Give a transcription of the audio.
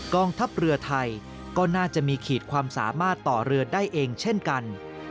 กองทัพเรือไทยก็น่าจะมีขีดความสามารถต่อเรือได้เองเช่นกัน